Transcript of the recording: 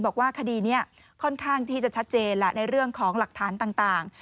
บอกว่าคดีนี้ค่อนข้างที่จะชัดเจนแหละในเรื่องของหลักฐานต่าง